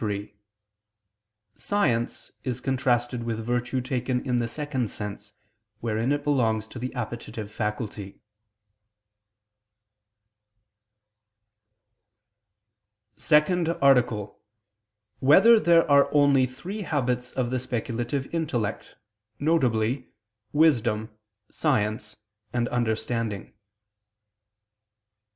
3: Science is contrasted with virtue taken in the second sense, wherein it belongs to the appetitive faculty. ________________________ SECOND ARTICLE [I II, Q. 57, Art. 2] Whether There Are Only Three Habits of the Speculative Intellect, Viz. Wisdom, Science and Understanding?